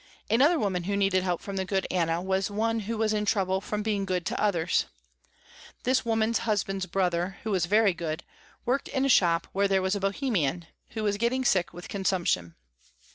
Another woman who needed help from the good Anna, was one who was in trouble from being good to others. This woman's husband's brother, who was very good, worked in a shop where there was a Bohemian, who was getting sick with consumption.